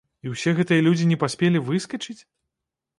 І ўсе гэтыя людзі не паспелі выскачыць?